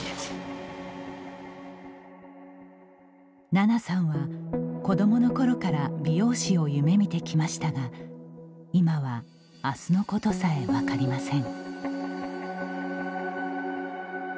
ななさんは、子どもの頃から美容師を夢見てきましたが今はあすのことさえ分かりません。